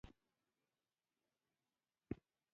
د تجارت شرافت د انسان کرامت ښيي.